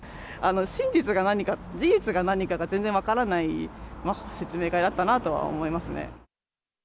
真実が何か、事実が何かが全然分からない説明会だったなとは思いますね。